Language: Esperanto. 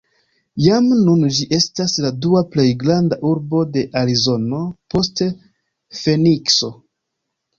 Jam nun ĝi estas la dua plej granda urbo de Arizono, post Fenikso.